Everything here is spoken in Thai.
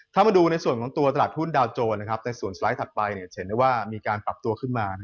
ถ้ามาดูในส่วนของตัวตลาดหุ้นดาวโจรในส่วนสไลด์ถัดไปจะเห็นได้ว่ามีการปรับตัวขึ้นมา